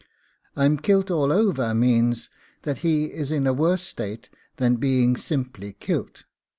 'I'm kilt all over' means that he is in a worse state than being simply 'kilt.